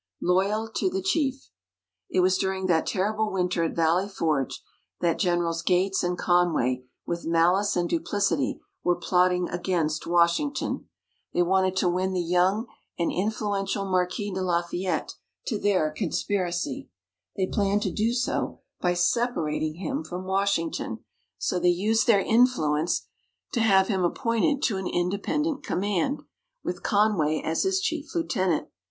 LOYAL TO THE CHIEF It was during that terrible Winter at Valley Forge, that Generals Gates and Conway "with malice and duplicity," were plotting against Washington. They wanted to win the young and influential Marquis de Lafayette to their conspiracy. They planned to do so by separating him from Washington. So they used their influence to have him appointed to an independent command, with Conway as his chief lieutenant.